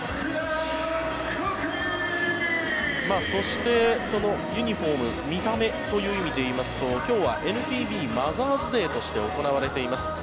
そして、そのユニホーム見た目という意味で言いますと今日はＮＰＢマザーズデーとして行われています。